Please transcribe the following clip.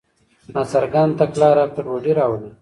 ناڅرګنده تګلاره ګډوډي راولي.